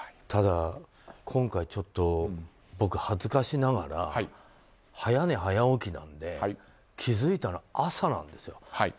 ただ、今回ちょっと僕恥ずかしながら早寝、早起きなので気づいたの朝なんですよ。